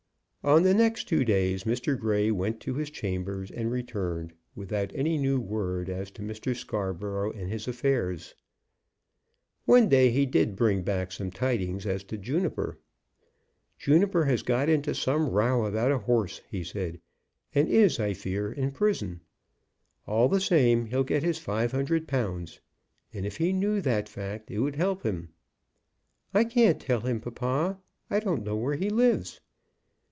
On the next two days Mr. Grey went to his chambers and returned, without any new word as to Mr. Scarborough and his affairs. One day he did bring back some tidings as to Juniper. "Juniper has got into some row about a horse," he said, "and is, I fear, in prison. All the same, he'll get his five hundred pounds; and if he knew that fact it would help him." "I can't tell him, papa. I don't know where he lives."